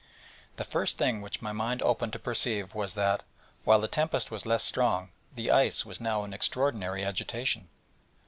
The first thing which my mind opened to perceive was that, while the tempest was less strong, the ice was now in extraordinary agitation.